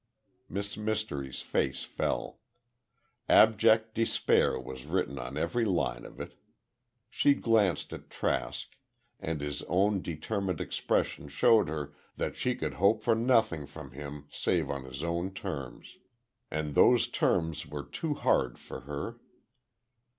Miss Mystery's face fell. Abject despair was written on every line of it. She glanced at Trask, and his own determined expression showed her that she could hope for nothing from him save on his own terms. And those terms were too hard for her.